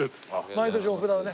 毎年お札をね